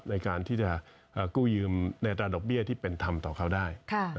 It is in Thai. ในการที่จะกู้ยืมในอัตราดอกเบี้ยที่เป็นธรรมต่อเขาได้